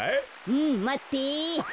うんまって。